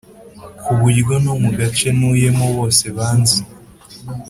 ku buryo no mu gace ntuyemo bose banzi